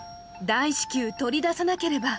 大至急、取り出さなければ。